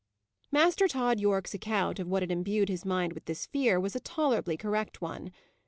Master Tod Yorke's account of what had imbued his mind with this fear, was a tolerably correct one.